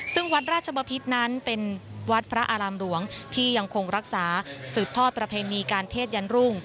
ซึ่งวัดราชบพิษนั้นเป็นวัดพระอารามหลวงที่ยังคงรักษาสืบทอดประเพณีการเทศยันรุ่ง